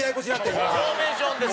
井上：フォーメーションです。